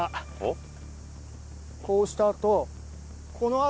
こうしたあと。ああ。